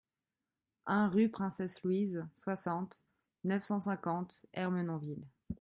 un rue Princesse Louise, soixante, neuf cent cinquante, Ermenonville